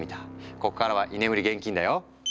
こっからは居眠り厳禁だよ。